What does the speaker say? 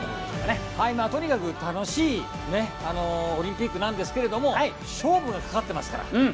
とにかく楽しいオリンピックなんですけれども勝負がかかってますから。